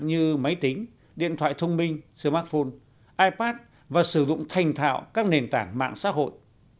như máy tính điện thoại thông minh smartphone ipad và sử dụng thành thạo các nền tảng mạng xã hội